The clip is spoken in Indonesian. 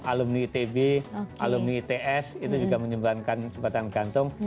alumni itb alumni its itu juga menyumbangkan jembatan gantung